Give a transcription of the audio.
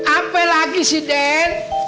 apa lagi sih den